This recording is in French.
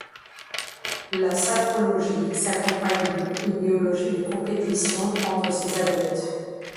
La sapologie s’accompagne d’une idéologie de compétition entre ses adeptes.